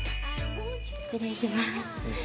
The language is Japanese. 失礼します。